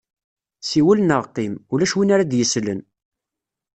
Siwel neɣ qim, ulac win ara d-yeslen.